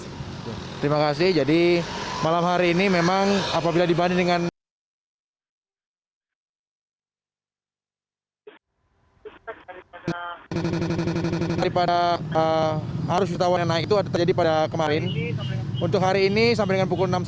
terima kasih jadi malam hari ini memang apabila dibanding dengan